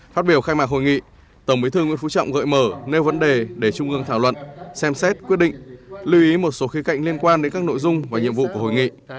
phát biểu khai mạc hội nghị tổng bí thư nguyễn phú trọng gợi mở nêu vấn đề để trung ương thảo luận xem xét quyết định lưu ý một số khía cạnh liên quan đến các nội dung và nhiệm vụ của hội nghị